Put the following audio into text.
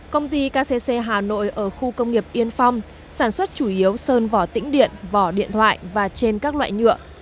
công ty kcc hà nội ở khu công nghiệp yên phong sản xuất chủ yếu sơn vỏ tĩnh điện vỏ điện thoại và trên các loại nhựa